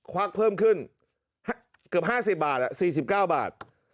เกือบ๕๐บาท๔๙บาท